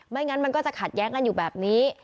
งั้นมันก็จะขัดแย้งกันอยู่แบบนี้